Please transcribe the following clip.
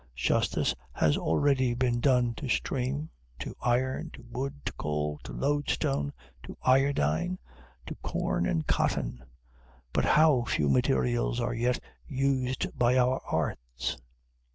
Justice has already been done to steam, to iron, to wood, to coal, to loadstone, to iodine, to corn and cotton; but how few materials are yet used by our arts!